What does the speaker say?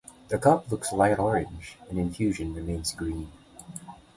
The cup looks light orange and infusion remains green.